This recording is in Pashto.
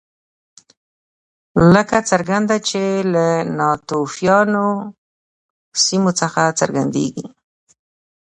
لکه څرنګه چې له ناتوفیانو سیمو څخه څرګندېږي